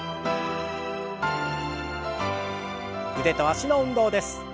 腕と脚の運動です。